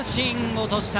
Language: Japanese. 落とした。